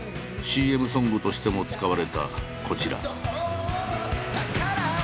ＣＭソングとしても使われたこちら。